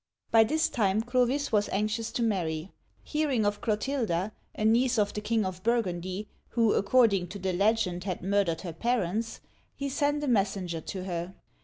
By this time Clovis was anxious to marry. Hearing of Clotil'da, — a niece of the king of Burgundy, who, accord ing to the legend, had murdered her parents, — he sent a messenger to her.